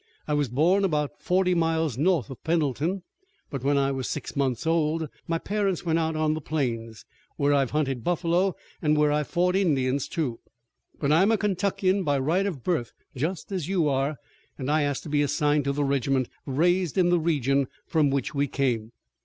I was born about forty miles north of Pendleton, but when I was six months old my parents went out on the plains, where I've hunted buffalo, and where I've fought Indians, too. But I'm a Kentuckian by right of birth just as you are, and I asked to be assigned to the regiment raised in the region from which we came."